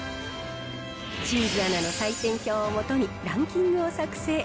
清水アナの採点表を基に、ランキングを作成。